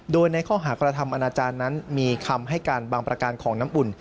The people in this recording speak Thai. โดยในข้อหากระทำอนาจารย์นั้นมีคำให้การบางประการของน้ำอุ่น